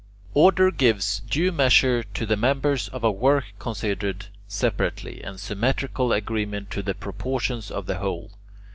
Order gives due measure to the members of a work considered separately, and symmetrical agreement to the proportions of the whole.